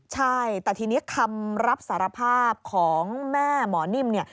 ใช่แต่ทีนี้คำรับสารภาพของแม่หมอนิ่มเนี่ย